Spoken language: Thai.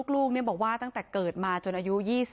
ลูกบอกว่าตั้งแต่เกิดมาจนอายุ๒๐